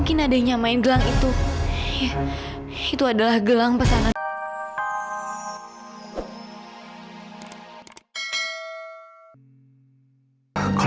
kita akan pikirkan bagaimana caranya